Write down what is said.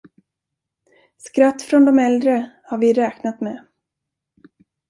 Skratt från dom äldre har vi räknat med.